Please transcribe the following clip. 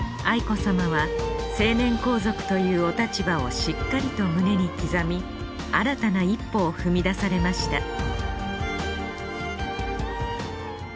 愛子さまは成年皇族というお立場をしっかりと胸に刻み新たな一歩を踏み出されました